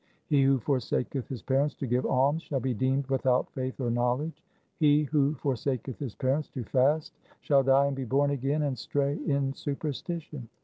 He who forsaketh his parents to give alms, shall be deemed without faith or knowledge. He who forsaketh his parents to fast, shall die and be born again and stray in superstition.